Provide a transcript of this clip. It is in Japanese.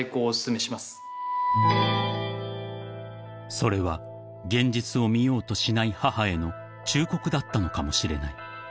［それは現実を見ようとしない母への忠告だったのかもしれない］